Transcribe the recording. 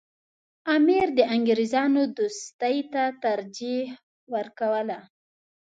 امیر د انګریزانو دوستۍ ته ترجیح ورکوله.